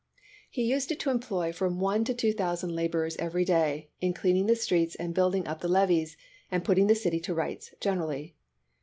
He used it to employ from one to two thousand laborers every day "in cleaning the streets and building up the levees, and putting the city to rights, generally.